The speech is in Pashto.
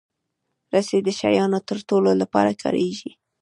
رسۍ د شیانو تړلو لپاره کارېږي.